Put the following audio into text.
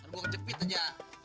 tergolong cepit aja